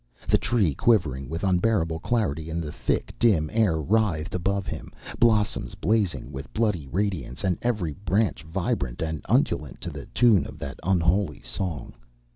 The Tree, quivering with unbearable clarity in the thick, dim air, writhed above him, blossoms blazing with bloody radiance and every branch vibrant and undulant to the tune of that unholy song.